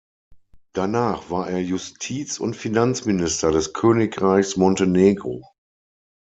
Danach war er Justiz- und Finanzminister des Königreichs Montenegro.